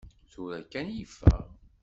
Tura kkan i yeffeɣ.